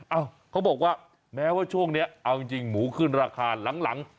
เขาบอกว่าแม้ว่าช่วงนี้เอาจริงหมูขึ้นราคาหลัง